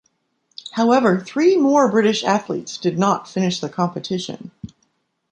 However, three more British athletes did not finish the competition.